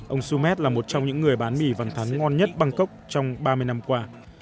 ông sumet là một trong những người bán mì vằn thắn ngon nhất bangkok trong ba mươi năm qua